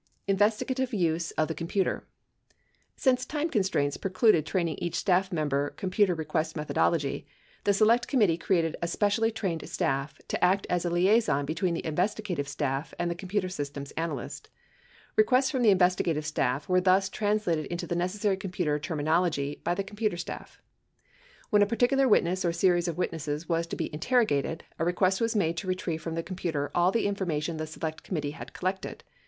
INVESTIGATIVE USE OF THE COMPUTER Since time constraints precluded training each staff member com puter request methodology, the Select Committee created a specially trained staff to act as a liaison between the investigative staff and the computer systems analyst. Requests from the investigative staff were thus translated into the necessary computer terminology by the com puter staff. When a particular witness or series of witnesses was to be interro gated, a request was made to retrieve from the computer all the infor mation the Select Committee had collected.